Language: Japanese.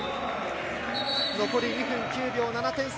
残り２分９秒、７点差。